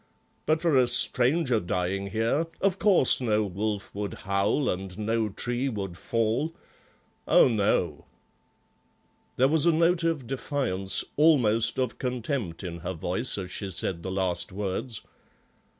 But for a stranger dying here, of course no wolf would howl and no tree would fall. Oh, no." There was a note of defiance, almost of contempt, in her voice as she said the last words.